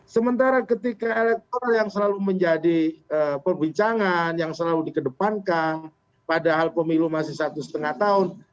sementara ketika elektoral yang selalu menjadi perbincangan yang selalu dikedepankan padahal pemilu masih satu setengah tahun